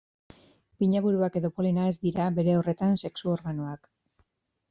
Pinaburuak edo polena ez dira, bere horretan, sexu-organoak.